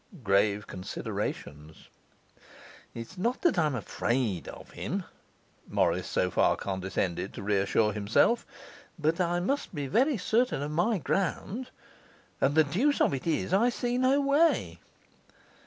Grave considerations. 'It's not that I'm afraid of him,' Morris so far condescended to reassure himself; 'but I must be very certain of my ground, and the deuce of it is, I see no way.